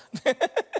ハハハ。